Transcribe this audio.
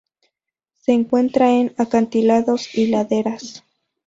Se encuentra en acantilados y laderas.